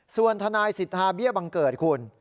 ส่วนทนายสิทธาเบี้ยบังเกิดคุณ